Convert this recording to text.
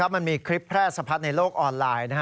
มันมีคลิปแพร่สะพัดในโลกออนไลน์